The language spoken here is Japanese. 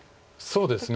そうですね。